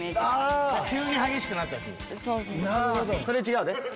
それ違うで。